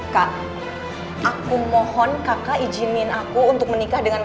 kak aku mohon kakak izinin aku untuk menikah dengan